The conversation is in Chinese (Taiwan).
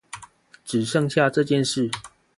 只剩下這件事